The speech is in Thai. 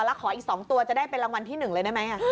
แล้วขออีก๒ตัวจะได้เป็นรางวัลที่๑เลยได้ไหม